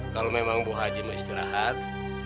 kalau memang bu haji mau istirahat